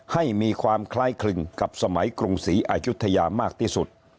ให้มีความคล้ายคลึงกับสมัยกรุงศรีอายุทยามากที่สุด